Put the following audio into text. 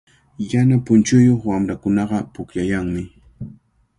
Yana punchuyuq wamrakunaqa pukllaykanmi.